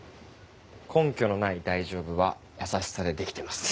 根拠のない「大丈夫」は優しさで出来てます。